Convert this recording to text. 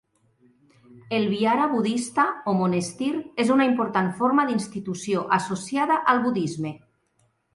El Vihara budista o monestir és una important forma d'institució associada al budisme.